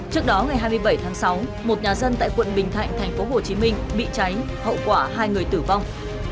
trước đó ngày hai mươi bảy tháng sáu một nhà dân tại quận bình thạnh tp hcm bị cháy hậu quả hai người tử vong